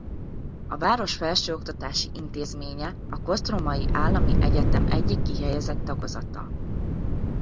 A város felsőoktatási intézménye a Kosztromai Állami Egyetem egyik kihelyezett tagozata.